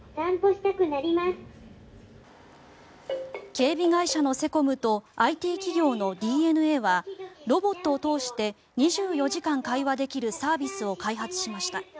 警備会社のセコムとＩＴ企業のディー・エヌ・エーはロボットを通して２４時間会話できるサービスを開発しました。